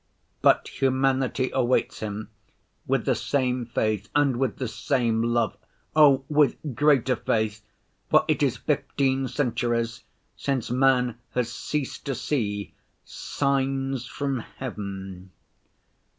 But humanity awaits him with the same faith and with the same love. Oh, with greater faith, for it is fifteen centuries since man has ceased to see signs from heaven.